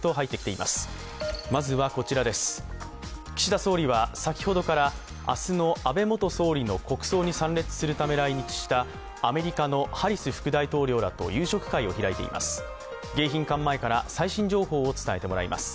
岸田総理は先ほどから明日の安倍元総理の国葬に参列するため来日したアメリカのハリス副大統領らと夕食会を開いています。